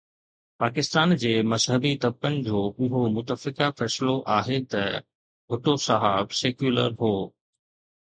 پاڪستان جي مذهبي طبقن جو اهو متفقه فيصلو آهي ته ڀٽو صاحب سيڪيولر هو.